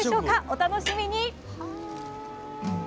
お楽しみに！